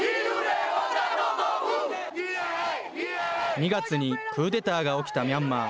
２月にクーデターが起きたミャンマー。